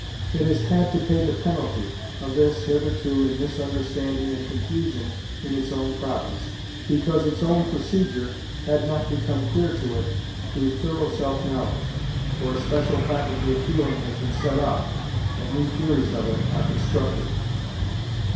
It has had to pay the penalty of this hitherto in misunderstanding and confusion in its own province, because its own procedure had not become clear to it through thorough self knowledge, for a special faculty of feeling has been set up, and new theories of it are constructed.